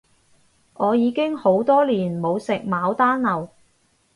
我已經好多年冇食牡丹樓